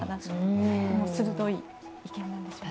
鋭い意見なんでしょうね。